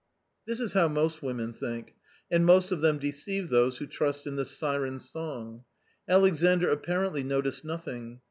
This is how most women think, and most of them deceive those who trust in this siren's song. Alexandr apparently noticed nothing.